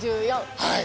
はい！